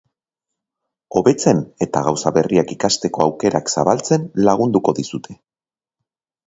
Hobetzen eta gauza berriak ikasteko aukerak zabaltzen lagunduko dizute.